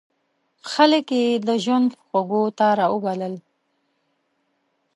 خلک یې د ژوند خوږو ته را وبلل.